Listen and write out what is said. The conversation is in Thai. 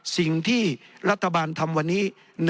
สิ่งที่รัฐบาลทำวันนี้